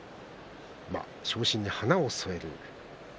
昇進に花を添える。